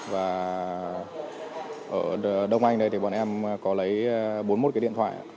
và ở đông anh đây thì bọn em có lấy bốn mươi một cái điện thoại